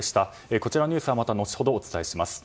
こちらのニュースはまた後ほどお伝えします。